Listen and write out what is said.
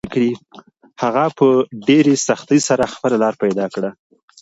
هغه په ډېرې سختۍ سره خپله لاره پیدا کړه.